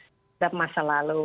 terhadap masa lalu